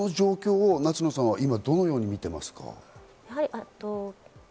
その状況を夏野さんは今、どのように見ていますか？